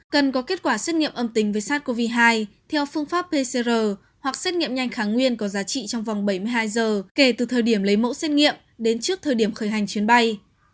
cần có kết quả xét nghiệm âm tính với sars cov hai theo phương pháp pcr hoặc xét nghiệm nhanh kháng nguyên có giá trị trong vòng bảy mươi hai giờ kể từ thời điểm lấy mẫu xét nghiệm đến trước thời điểm khởi hành chuyến bay